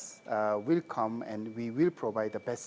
dan kami akan memberikan perusahaan terbaik